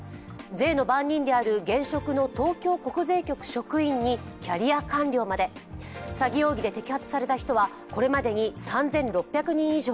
税の番人である現職の東京国税局職員にキャリア官僚まで詐欺容疑で摘発された人はこれまでに３６００人以上。